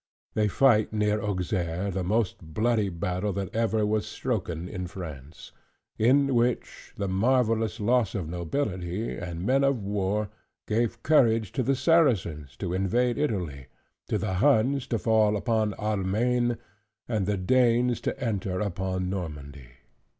They fight near to Auxerre the most bloody battle that ever was stroken in France: in which, the marvellous loss of nobility, and men of war, gave courage to the Saracens to invade Italy; to the Huns to fall upon Almaine; and the Danes to enter upon Normandy.